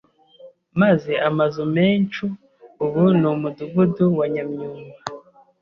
maze amazu menshu ubu ni umudugudu wa Nyamyumba,